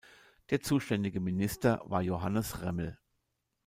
Der zuständige Minister war Johannes Remmel.